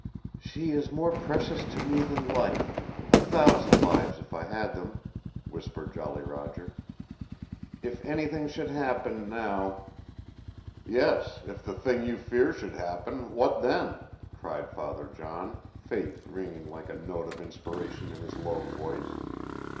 "She is more precious to me than life a thousand lives, if I had them," whispered Jolly Roger. "If anything should happen now " "Yes, if the thing you fear should happen, what then?" cried Father John, faith ringing like a note of inspiration in his low voice.